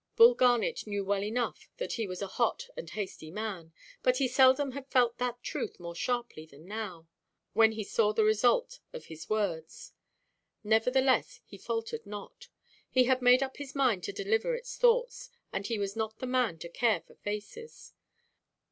Bull Garnet knew well enough that he was a hot and hasty man; but he seldom had felt that truth more sharply than now, when he saw the result of his words. Nevertheless, he faltered not. He had made up his mind to deliver its thoughts, and he was not the man to care for faces.